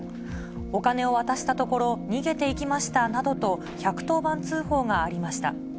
お金を渡したところ、逃げていきましたなどと、１１０番通報がありました。